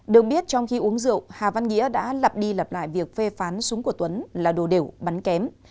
được biết trong khi uống rượu hà văn nghĩa đã lặp đi lặp lại việc phê phán súng của tuấn là đồ đẻo bắn kém